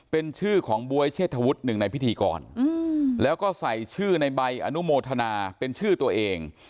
เป็นชื่อของบ๊วยเชษฐวุฒิหนึ่งในพิธีกรแล้วก็ใส่ชื่อในใบอนุโมทนาเป็นชื่อตัวเอง